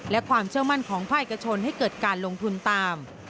และความเชื่อมั่นของภาคเอกชนให้เกิดการลงทุนตาม